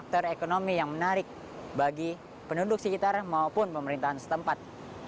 faktor ekonomi yang menarik bagi penduduk sekitar maupun pemerintahan setempat